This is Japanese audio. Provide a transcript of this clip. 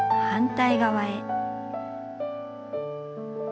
反対側へ。